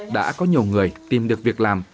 đã có nhiều người tìm được việc làm